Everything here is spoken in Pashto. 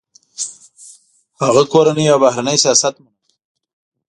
هغه کورنی او بهرنی سیاست منظم کړ.